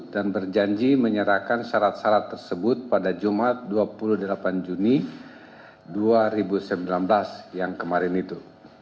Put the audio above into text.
dan berjanji menyerahkan syarat syarat tersebut pada jumat dua puluh delapan juni dua ribu sembilan belas yang kemarin itu